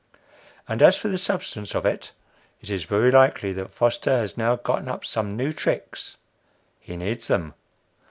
And as for the substance of it, it is very likely that Foster has now gotten up some new tricks. He needs them.